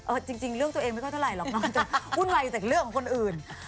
จริงเรื่องตัวเองไม่ค่อยเท่าไหรหรอกน้องจะวุ่นวายจากเรื่องของคนอื่น